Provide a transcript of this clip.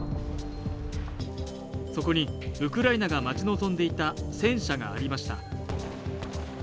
そこにウクライナが待ち望んでいた戦車がありました